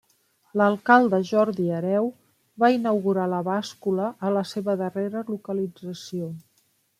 L'alcalde Jordi Hereu va inaugurar la bàscula a la seva darrera localització.